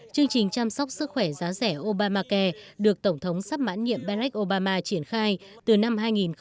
chương trình chăm sóc sức khỏe giá rẻ obamacare được tổng thống sắp mãn nhiệm berk obama triển khai từ năm hai nghìn một mươi